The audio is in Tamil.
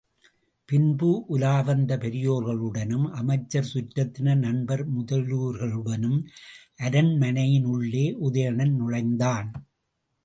பின்பு உலாவந்த பெரியோர்களுடனும் அமைச்சர், சுற்றத்தினர், நண்பர் முதலியோர்களுடனும் அரண்மனையினுள்ளே உதயணன் நுழைந்தான்.